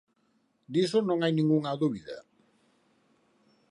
Diso non hai ningunha dúbida.